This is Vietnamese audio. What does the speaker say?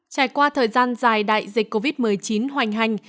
trải qua thời gian dài đại dịch covid một mươi chín hoành hành